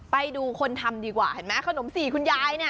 ไปดูคนทำดีกว่าเห็นไหมขนมสี่คุณยายเนี่ย